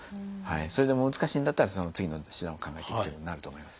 それでも難しいんだったらその次の手段を考えていくことになると思います。